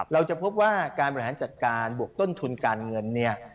เราจะพบว่าการบริหารจัดการบวกต้นทุนการเงินเนี่ย